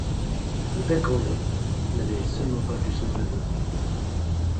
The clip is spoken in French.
Le père Grandet n’avait seulement pas vu son neveu.